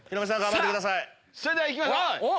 さぁそれでは行きましょう。